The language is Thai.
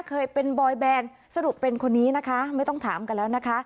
เคยเป็นบอยแบนสรุปเป็นคนนี้นะคะไม่ต้องถามกันแล้วนะคะ